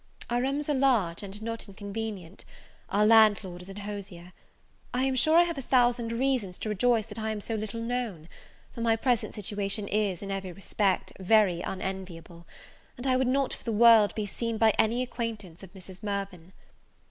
Our rooms are large, and not inconvenient; our landlord is an hosier. I am sure I have a thousand reasons to rejoice that I am so little known: for my present situation is, in every respect, very unenviable; and I would not, for the world, be seen by any acquaintance of Mrs. Mirvan.